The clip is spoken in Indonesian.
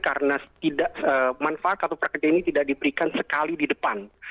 karena manfaat atau pekerjaan ini tidak diberikan sekali di depan